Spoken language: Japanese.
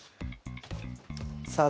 さあ